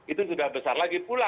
itu sudah besar lagi pula